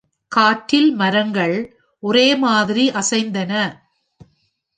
காற்றில் மரங்கள் ஒரேமாதிரி அசைந்தன.